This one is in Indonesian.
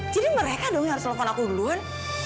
jadi mereka dong yang harus telepon aku duluan